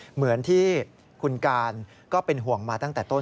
เหมือนที่คุณการก็เป็นห่วงมาตั้งแต่ต้น